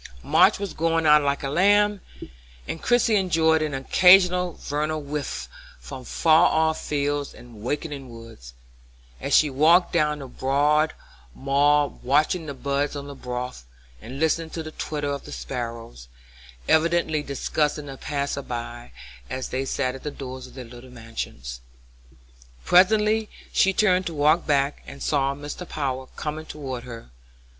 March was going out like a lamb, and Christie enjoyed an occasional vernal whiff from far off fields and wakening woods, as she walked down the broad mall watching the buds on the boughs, and listening to the twitter of the sparrows, evidently discussing the passers by as they sat at the doors of their little mansions. Presently she turned to walk back again and saw Mr. Power coming toward her.